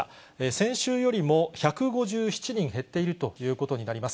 先週よりも１５７人減っているということになります。